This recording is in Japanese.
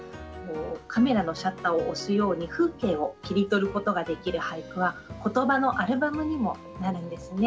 カメラのシャッターを押すように風景を切り取ることができる俳句は言葉のアルバムにもなるんですね。